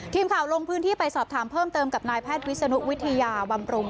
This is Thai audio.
ทีมข่าวลงพื้นที่ไปสอบถามเพิ่มเติมกับนายแพทย์วิศนุวิทยาบำรุง